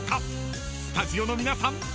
［スタジオの皆さん